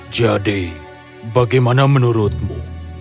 jadi bagaimana menurutmu